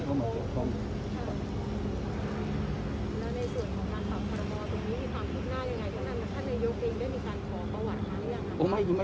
และในส่วนของการตอบขอรับครบอลตนี้มีความพูดหน้าหรือยังไงทุกนั้นท่านนายโยกริงได้มีขอกวะหัวนะคะ